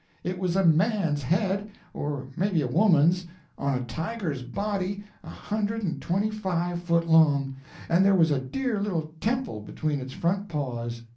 It was a man's head, or maybe a woman's, on a tiger's body a hundred and twenty five foot long, and there was a dear little temple between its front paws.